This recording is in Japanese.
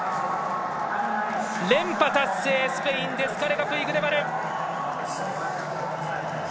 連覇達成、スペインのデスカレガプイグデバル！